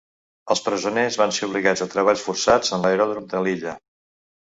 Els presoners van ser obligats a treballs forçats en l'aeròdrom de l'illa.